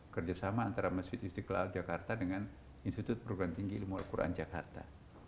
kerjasama antara masjid istiqlal jakarta dengan institut perguruan tinggi ilmu al quran jakarta